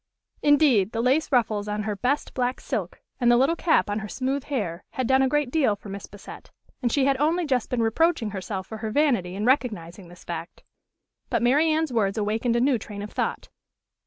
Indeed, the lace ruffles on her "best" black silk, and the little cap on her smooth hair, had done a great deal for Miss Bassett; and she had only just been reproaching herself for her vanity in recognizing this fact. But Mary Anne's words awakened a new train of thought.